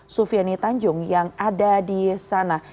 sufiani tanjung yang ada di sana